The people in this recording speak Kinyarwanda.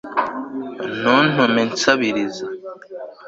ntuntume nsabiriza